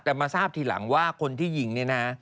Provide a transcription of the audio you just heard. แต่มาทราบทีหลังว่าคนที่ยิงเนี่ยนะ